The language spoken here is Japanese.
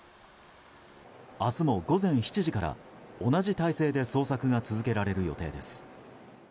明日も午前７時から同じ態勢で捜索が続けられる予定です。